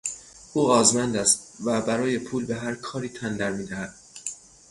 او آزمند است و برای پول به هر کاری تن در میدهد.